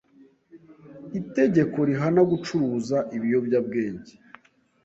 itegeko rihana gucuruza ibiyobyabwenge